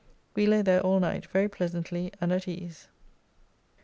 We lay there all night very pleasantly and at ease...